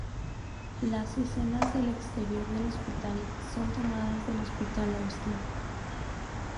Las escenas del exterior del hospital son tomadas del Hospital Austin.